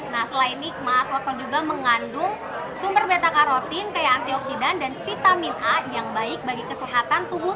nah selain nikmat botol juga mengandung sumber meta karotin kayak antioksidan dan vitamin a yang baik bagi kesehatan tubuh